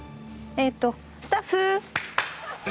えっとスタッフ。